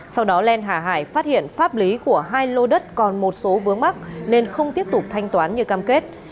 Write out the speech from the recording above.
sau đó len hà hải phát hiện pháp lý của hai lô đất còn một số vướng mắc nên không tiếp tục thanh toán như cam kết